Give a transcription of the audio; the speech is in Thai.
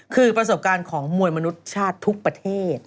คือประสบการณ์ของมวยมนุษย์ชาติทุกประเทศ